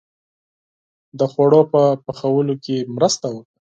• د خوړو په پخولو کې مرسته وکړه.